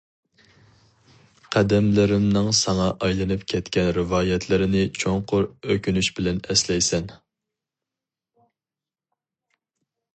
قەدەملىرىمنىڭ ساڭا ئايلىنىپ كەتكەن رىۋايەتلىرىنى چوڭقۇر ئۆكۈنۈش بىلەن ئەسلەيسەن.